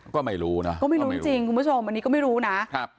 ก็ไม่รู้นะก็ไม่รู้จริงคุณผู้ชมอันนี้ก็ไม่รู้นะครับ